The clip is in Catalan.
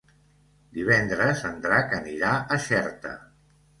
Divendres en Drac anirà a Xerta.